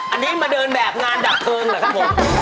อันนี้มาเดินแบบงานดับตัวเองนะครับ